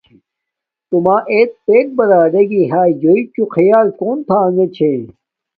توما ایت پیے باڈارگی ہاݵ جوینݣ خیال کون تھنݣ چھیے۔